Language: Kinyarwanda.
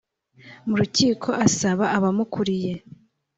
mu rukiko asaba abamukuriye